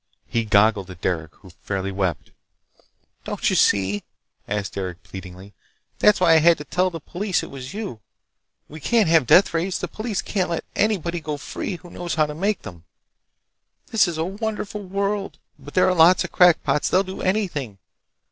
He goggled at Derec, who fairly wept. "Don't you see?" asked Derec pleadingly. "That's why I had to tell the police it was you. We can't have deathrays! The police can't let anybody go free who knows how to make them! This is a wonderful world, but there are lots of crackpots. They'll do anything!